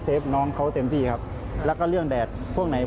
น้องเขาเต็มที่ครับแล้วก็เรื่องแดดพวกไหน